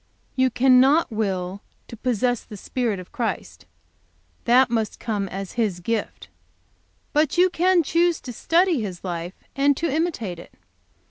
"You cannot will to possess the spirit of Christ; that must come as His gift; but you can choose to study His life, and to imitate it.